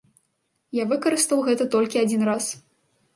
Я выкарыстаў гэта толькі адзін раз.